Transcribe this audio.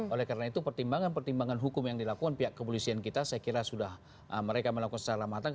oleh karena itu pertimbangan pertimbangan hukum yang dilakukan pihak kepolisian kita saya kira sudah mereka melakukan secara matang